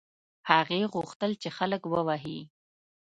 هغې غوښتل چې خلک ووهي.